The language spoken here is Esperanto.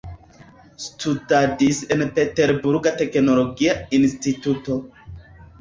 Studadis en Peterburga teknologia instituto.